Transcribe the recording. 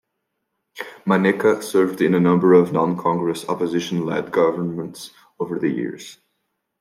Maneka served in a number of non-Congress opposition-led governments over the years.